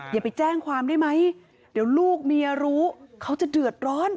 อย่าไปแจ้งความได้ไหมเดี๋ยวลูกเมียรู้เขาจะเดือดร้อน